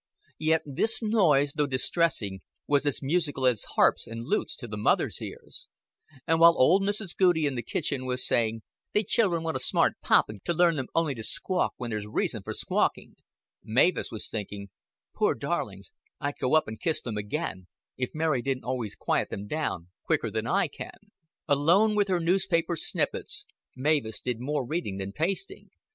Yet this noise, though distressing, was as musical as harps and lutes to the mother's ears; and while old Mrs. Goudie in the kitchen was saying: "They children want a smart popping to learn them on'y to squawk when there's reason for squawking," Mavis was thinking: "Poor darlings, I'd go up and kiss them again, if Mary didn't always quiet them down quicker than I can." Alone with her newspaper snippets, Mavis did more reading than pasting.